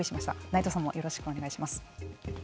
内藤さんよろしくお願いします。